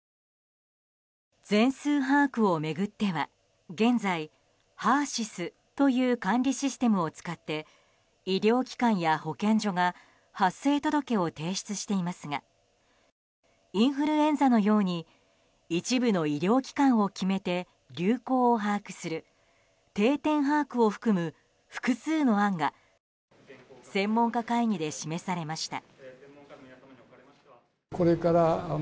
全数把握を巡っては現在ＨＥＲ‐ＳＹＳという管理システムを使って医療機関や保健所が発生届を提出していますがインフルエンザのように一部の医療機関を決めて流行を把握する定点把握を含む複数の案が専門家会議で示されました。